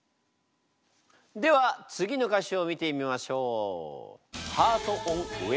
では次の歌詞を見てみましょう。